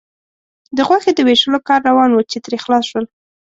د غوښې د وېشلو کار روان و، چې ترې خلاص شول.